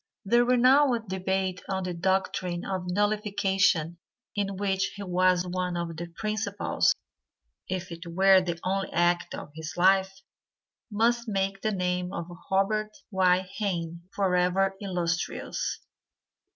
The renowned debate on the doctrine of nullification in which he was one of the principals, if it were the only act of his life, must make the name of Robert Y. Hayne forever illustrious.